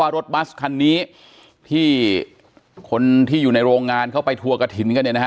ว่ารถบัสคันนี้ที่คนที่อยู่ในโรงงานเข้าใบทรัพย์กระทิน